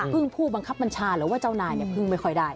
พึ่งผู้บังคับมัญชาหรือว่าเจ้านายพึ่งไม่ค่อยได้